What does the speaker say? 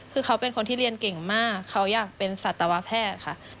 คือเขาเป็นคนที่เรียนเก่งมากเขาอยากเป็นสัตวแพทย์ค่ะ